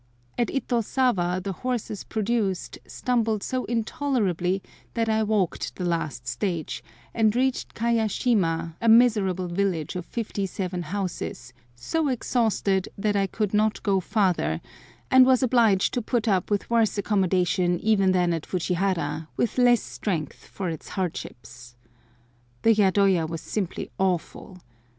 At Itosawa the horses produced stumbled so intolerably that I walked the last stage, and reached Kayashima, a miserable village of fifty seven houses, so exhausted that I could not go farther, and was obliged to put up with worse accommodation even than at Fujihara, with less strength for its hardships. The yadoya was simply awful.